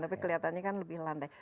tapi kelihatannya kan lebih landai